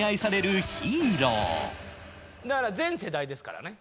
だから全世代ですからね。